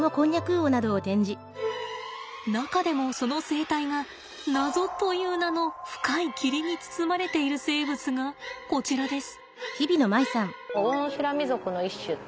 中でもその生態が謎という名の深い霧に包まれている生物がこちらです。